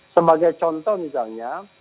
sebagai contoh misalnya